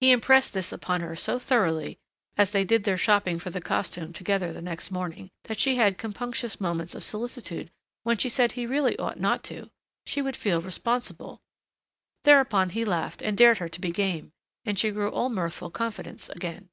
He impressed this upon her so thoroughly, as they did their shopping for the costume together the next morning, that she had compunctious moments of solicitude when she said he really ought not to.... She would feel responsible.... Thereupon he laughed, and dared her to be game, and she grew all mirthful confidence again.